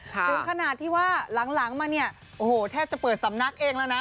ถึงขนาดที่ว่าหลังมาเนี่ยโอ้โหแทบจะเปิดสำนักเองแล้วนะ